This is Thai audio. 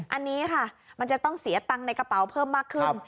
อันนี้ค่ะมันจะต้องเสียตังค์ในกระเป๋าเพิ่มมากขึ้น